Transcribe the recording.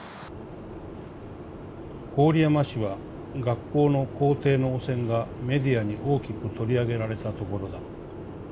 「郡山市は学校の校庭の汚染がメディアに大きく取り上げられたところだ。